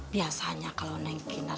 biasanya kalau neng kinar